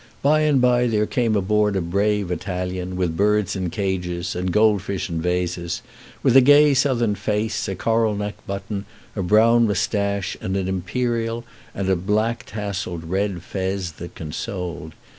By and by there came aboard a brave Italian, with birds in cages and gold fish in vases, with a gay Southern face, a coral neck button, a brown mustache and imperial, and a black tasselled red fez that consoled.